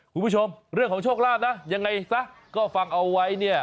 คุณผู้ชมเรื่องของโชคลาภนะยังไงซะก็ฟังเอาไว้เนี่ย